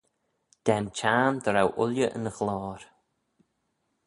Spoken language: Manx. Da'n Çhiarn dy row ooilley yn ghloyr.